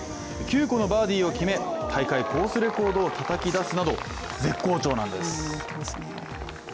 ９個のバーディーを決め大会コースレコードをたたき出すなど絶好調なんです。